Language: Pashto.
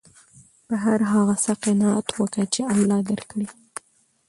په هر هغه څه قناعت وکه، چي الله درکړي يي.